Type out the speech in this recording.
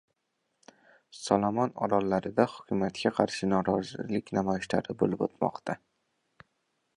Solomon orollarida hukumatga qarshi norozilik namoyishlari bo‘lib o‘tmoqda.